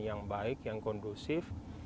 yang baik yang kondusif